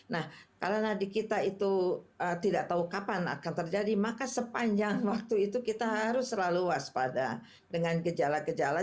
nah kalau nadi kita itu tidak tahu kapan akan terjadi maka sepanjang waktu itu kita harus selalu waspada dengan gejala gejala